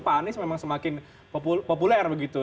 pak anies memang semakin populer begitu